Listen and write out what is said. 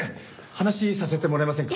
話させてもらえませんか？